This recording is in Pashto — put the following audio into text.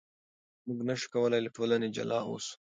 موږ نشو کولای له ټولنې جلا اوسو.